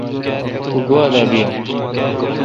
تو گوا دا وین۔